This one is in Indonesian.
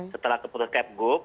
setelah keputusan kepgub